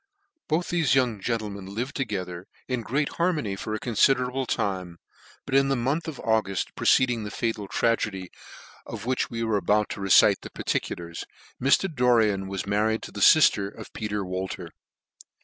Both thefe young gentlemen lived together in great harmony for a confiderable time , but in the month of Auguft preceding the fatal tragedy of HERMAN STRODTMAN /or M/h/er. 49 \\hich we; are about to recite the particulars, Mr. Dorien was married to the lifter of Peter Wolter.